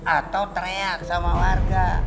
atau teriak sama warga